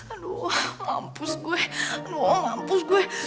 aduh mampus gue aduh mampus gue